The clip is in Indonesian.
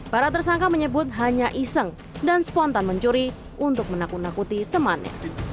para tersangka menyebut hanya iseng dan spontan mencuri untuk menakut nakuti temannya